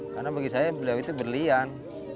karena bagi saya beliau itu berlian